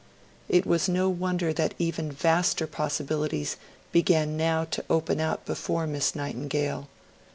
It was no wonder that even vaster possibilities began now to open out before Miss Nightingale.